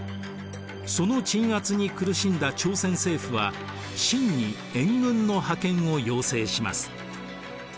その鎮圧に苦しんだ朝鮮政府は清に援軍の派遣を要請します。